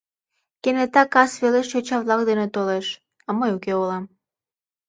Кенета кас велеш йоча-влак дене толеш, а мый уке улам.